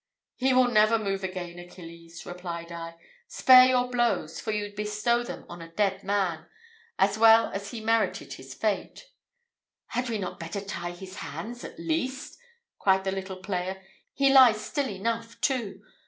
"He will never move again, Achilles," replied I; "spare your blows, for you bestow them on a dead man, and well has he merited his fate " "Had we not better tie his hands, at least?" cried the little player. "He lies still enough too.